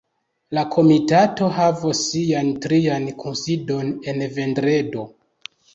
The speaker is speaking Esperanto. La komitato havos sian trian kunsidon en vendredo.